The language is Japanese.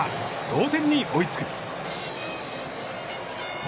同点に追いつく。